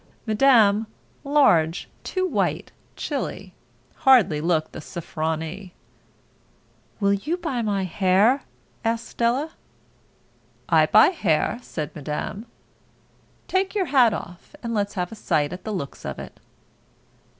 Madame, large, too white, chilly, hardly looked the "Sofronie." "Will you buy my hair?" asked Della. "I buy hair," said Madame. "Take yer hat off and let's have a sight at the looks of it."